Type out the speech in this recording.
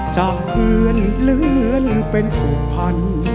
จากเพื่อนเลือนเป็นผู้พันธ์